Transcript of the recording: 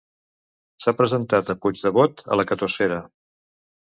S'ha presentat el PuigdeBot a la Catosfera.